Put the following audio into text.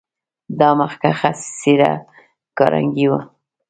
دا مخکښه څېره کارنګي و.